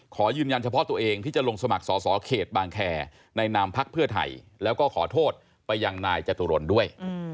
ขอยืนยันเฉพาะตัวเองที่จะลงสมัครสอสอเขตบางแคร์ในนามพักเพื่อไทยแล้วก็ขอโทษไปยังนายจตุรนด้วย